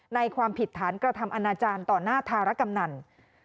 ความผิดฐานกระทำอนาจารย์ต่อหน้าธารกำนัน